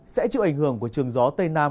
sẽ chịu ảnh hưởng của trường gió tây nam